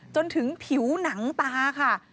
จนถึงผิวหนังตาค่ะ